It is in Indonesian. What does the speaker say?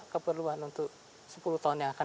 keperluan untuk sepuluh tahun yang akan